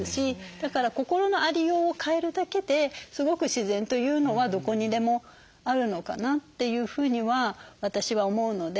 だから心のありようを変えるだけですごく自然というのはどこにでもあるのかなっていうふうには私は思うので。